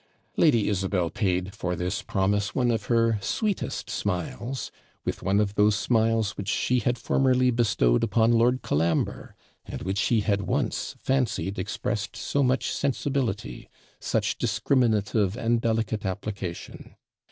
Lady Isabel paid for this promise one of her sweetest smiles; with one of those smiles which she had formerly bestowed upon Lord Colambre, and which he had once fancied expressed so much sensibility such discriminative and delicate application.